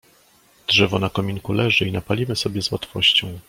"Drzewo na kominku leży i napalimy sobie z łatwością."